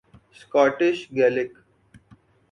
Scottish Gaelic